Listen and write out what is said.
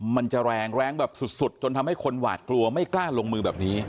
มันจะแรงแรงแบบสุดจนทำให้คนหวาดกลัวไม่กล้าลงมือแบบนี้